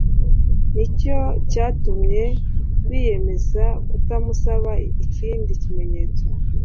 Nicyo cyatumye biyemeza kutamusaba ikindi kimenyetso,